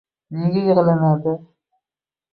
Nega yig‘lanadi